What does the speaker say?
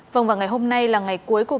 vâng và ngày hôm nay là ngày cuối của quốc tế